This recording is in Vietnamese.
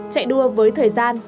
chạy đua với thời gian